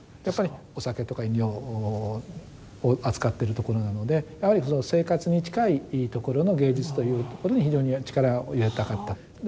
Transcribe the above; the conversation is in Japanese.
やっぱりお酒とか飲料を扱ってるところなので生活に近いところの芸術というところに非常に力を入れたかったと。